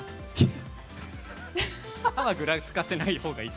歯はぐらつかせないほうがい